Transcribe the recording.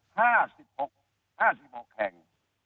ห้าสิบหกห้าสิบหกแข่ง